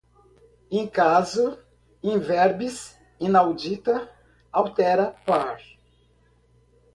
in casu, in verbis, inaudita altera par